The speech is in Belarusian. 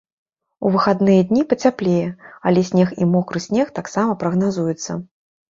У выхадныя дні пацяплее, але снег і мокры снег таксама прагназуецца.